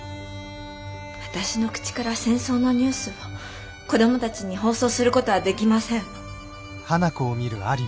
私の口から戦争のニュースを子どもたちに放送する事はできません。